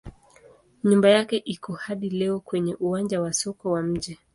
Nyumba yake iko hadi leo kwenye uwanja wa soko wa mji.